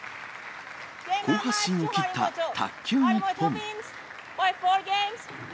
好発進を切った卓球日本。